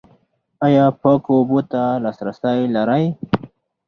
ایا پاکو اوبو ته لاسرسی لرئ؟